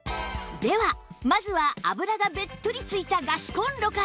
ではまずは油がベットリ付いたガスコンロから